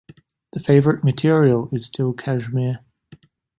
The favourite material is still cashmere.